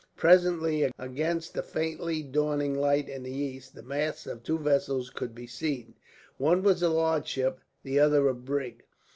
Presently, against the faintly dawning light in the east, the masts of two vessels could be seen. One was a large ship, the other a brig.